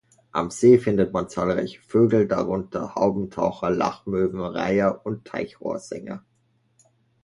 Am See findet man zahlreiche Vögel, darunter Haubentaucher, Lachmöwen, Reiher und Teichrohrsänger.